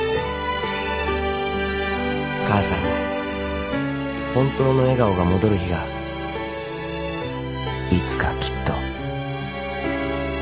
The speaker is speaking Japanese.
［母さんに本当の笑顔が戻る日がいつかきっと］